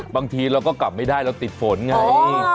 บางทีเราก็กลับไม่ได้เราติดฝนไง